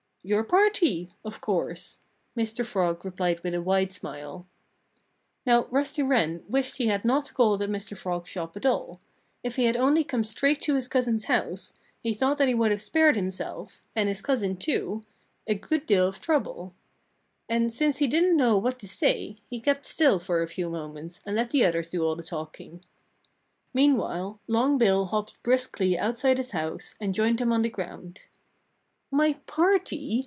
"Your party, of course!" Mr. Frog replied with a wide smile. Now, Rusty Wren wished he had not called at Mr. Frog's shop at all. If he had only come straight to his cousin's house, he thought that he would have spared himself and his cousin, too a good deal of trouble. And, since he didn't know what to say, he kept still for a few moments and let the others do all the talking. Meanwhile, Long Bill hopped briskly outside his house, and joined them on the ground. "My party!"